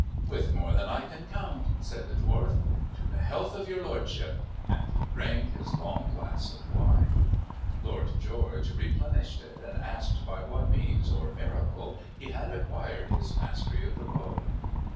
"With more than I can count," said the Dwarf. "To the health of your Lordship!" and he drained his long glass of wine. Lord George replenished it, and asked by what means or miracle he had acquired his mastery of the bow.